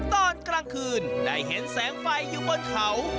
ตอนกลางคืนได้เห็นแสงไฟอยู่บนเขา